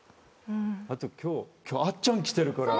あと今日あっちゃん来てるから。